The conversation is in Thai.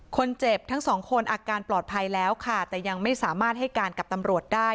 คนเจ็บทั้งสองคนอาการปลอดภัยแล้วค่ะแต่ยังไม่สามารถให้การกับตำรวจได้